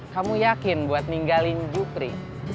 kamu yakin buat ninggalin jukri